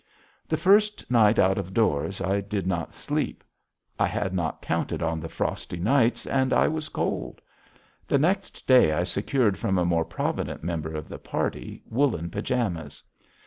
The first night out of doors I did not sleep. I had not counted on the frosty nights, and I was cold. The next day I secured from a more provident member of the party woolen pajamas.